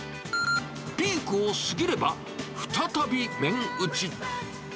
ピークを過ぎれば再び麺打ち。